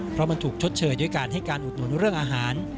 เพราะมันถูกชดเชยด้วยการให้การอุดหนุนเรื่องอาหาร